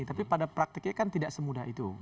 tapi pada praktiknya kan tidak semudah itu